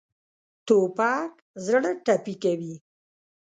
توپک زړه ټپي کوي.